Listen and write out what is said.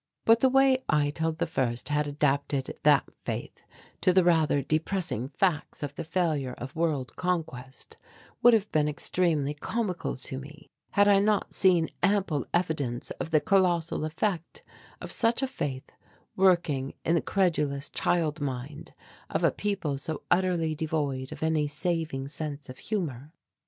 But the way Eitel I had adapted that faith to the rather depressing facts of the failure of world conquest would have been extremely comical to me, had I not seen ample evidence of the colossal effect of such a faith working in the credulous child mind of a people so utterly devoid of any saving sense of humour.